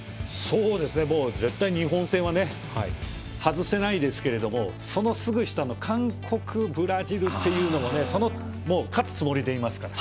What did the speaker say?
絶対、日本戦は外せないですけど韓国、ブラジルというのもね。勝つつもりでいますから。